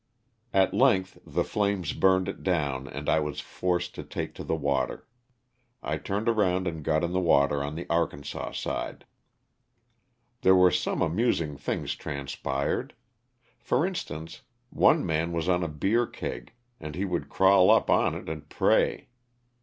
At length the flames burned it down and I was forced to take to the water. I turned around and got in the water on the Arkansas side. There were some 302 LOSS OF THE SULTANA. ^ amusing things transpired. For instance one man was on a beer keg, and he would crawl up on it and pray.